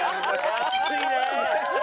熱いね！